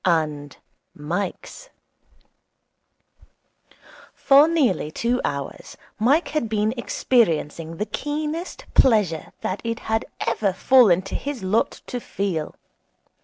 And Mike's For nearly two hours Mike had been experiencing the keenest pleasure that it had ever fallen to his lot to feel.